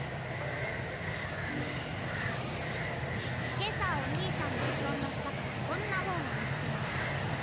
今朝お兄ちゃんの布団の下からこんな本を見つけました